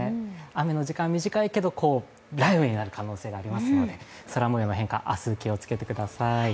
雨の時間、短いけど雷雨になる可能性がありますので空もようの変化、明日気をつけてください。